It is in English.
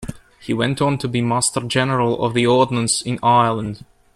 He went on to be Master General of the Ordnance in Ireland.